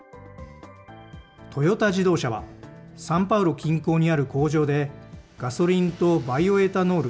トヨタ自動車は、サンパウロ近郊にある工場でガソリンとバイオエタノール